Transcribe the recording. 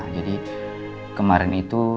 jadi kemarin itu